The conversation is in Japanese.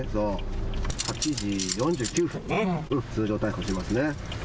８時４９分ね、通常逮捕しますね。